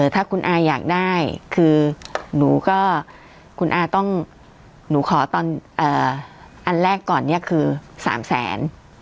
ถ้าคุณอาอยากได้คือหนูก็คุณอาต้องหนูขอตอนอันแรกก่อนเนี่ยคือ๓แสน